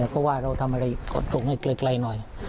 ก็ว่าเราทำอะไรดีกดตรงให้ใกล้หน่อย